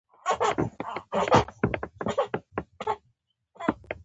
زه څو ځله د شاهنشاه حضور ته ورغلې یم.